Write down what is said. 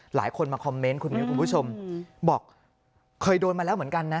หลายคนมาคอมเมนต์คุณมิ้วคุณผู้ชมบอกเคยโดนมาแล้วเหมือนกันนะ